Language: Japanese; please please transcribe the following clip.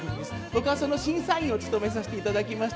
僕は審査員を務めさせていただきました。